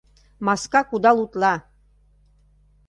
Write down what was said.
Маска кудал утла!